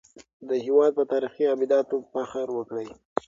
د هېواد په تاريخي ابداتو فخر وکړئ.